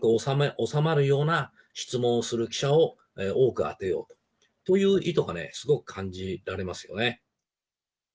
なるべく丸く収まるような質問をする記者を多く当てようという意図がね、すごく感じられますよね。